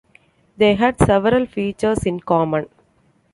They had several features in common.